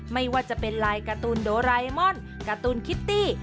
ไม่ว่าจะเป็นลายการ์ตูนโดไรมอนการ์ตูนคิตตี้